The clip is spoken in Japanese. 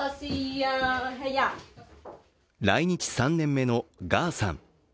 来日３年目のガーさん。